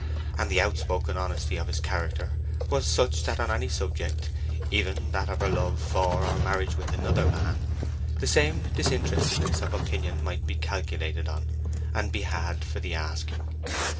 And the outspoken honesty of his character was such that on any subject, even that of her love for, or marriage with, another man, the same disinterestedness of opinion might be calculated on, and be had for the asking.